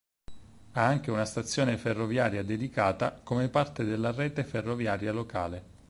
Ha anche una stazione ferroviaria dedicata, come parte della rete ferroviaria locale.